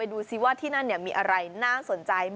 ดูสิว่าที่นั่นมีอะไรน่าสนใจ